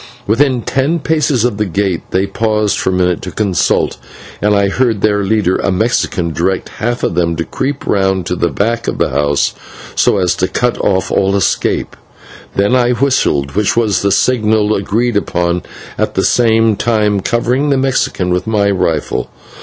Within ten paces of the gate they paused for a minute to consult, and I heard their leader, a Mexican, direct half of them to creep round to the back of the house so as to cut off all escape. Then I whistled, which was the signal agreed upon, at the same time covering the Mexican with my rifle.